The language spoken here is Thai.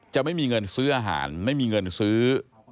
ไม่มีเงินซื้ออาหารไม่มีเงินซื้อ